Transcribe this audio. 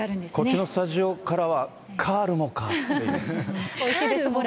こっちのスタジオからは、カールもかっていう。